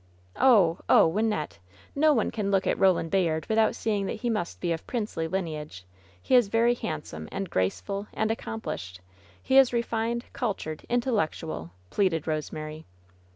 "Oh! oh! Wynnette! No one can look at Boland Bayard without seeing that he must be of princely lineage ! He is very handsome, and graceful and accom plished I He is refined^ cultured, intellectual !'' pleaded Rosemary.